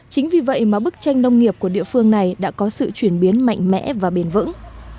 chính vì vậy mà bức tranh nông nghiệp của địa phương này đã có sự chuyển biến mạnh mẽ và bền vững